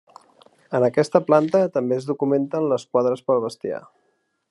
En aquesta planta també es documenten les quadres pel bestiar.